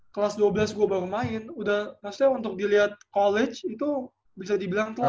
kelas dua belas gue baru main udah maksudnya untuk dilihat college itu bisa dibilang telat